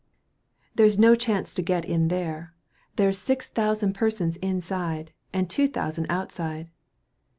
"There's no chance to get in there. There's six thousand persons inside, and two thousand outside."